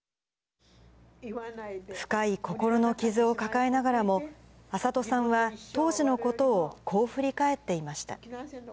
深い心の傷を抱えながらも、安里さんは、当時のことをこう振り返っていました。